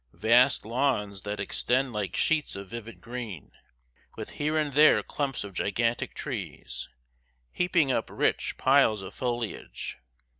Vast lawns that extend like sheets of vivid green, with here and there clumps of gigantic trees, heaping up rich piles of foliage.